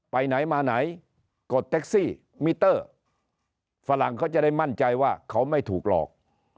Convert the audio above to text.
ไปไหนมาไหนกดแท็กซี่มิเตอร์ฝรั่งเขาจะได้มั่นใจว่าเขาไม่ถูกหลอก